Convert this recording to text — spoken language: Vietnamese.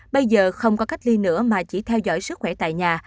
bây giờ không có cách ly nữa mà chỉ theo dõi sức khỏe tại nhà